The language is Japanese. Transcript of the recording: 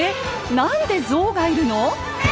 何でゾウがいるの⁉